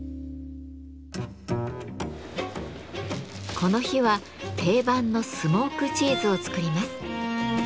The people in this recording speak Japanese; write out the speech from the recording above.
この日は定番のスモークチーズを作ります。